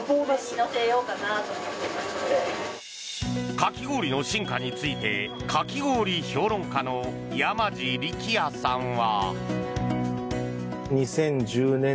かき氷の進化についてかき氷評論家の山路力也さんは。